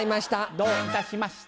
「どういたしまして」。